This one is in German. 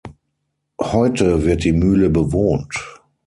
Heute wird die Mühle bewohnt.